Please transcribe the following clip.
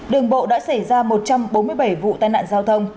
đường bộ đã xảy ra một trăm bốn mươi bảy vụ tai nạn giao thông